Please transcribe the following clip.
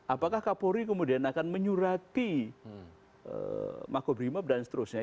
apakah kapolri kemudian akan menyurati makobrimob dan seterusnya